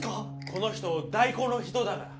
この人代行の人だから。